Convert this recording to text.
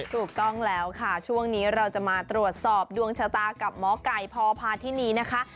ถูกต้องแล้วค่ะช่วงนี้เราจะมาตรวจสอบดวงชะตากับหมอไก่พพาธินีนะคะ